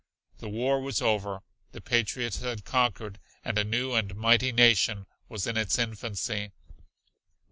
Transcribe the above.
The war was over, the patriots had conquered, and a new and mighty nation was in its infancy.